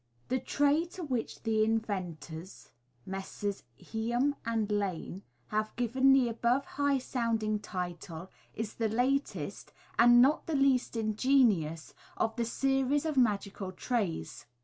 — The tray to which the inventors (Messrs. Hiam & Lane) have given the above high sounding title, is the latest, and not the least ingenious, of the series of magical trays.